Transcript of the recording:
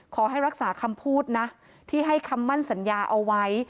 ขอให้รักษาคำพูดนะที่ให้คำมั่นสัญญาเอาไว้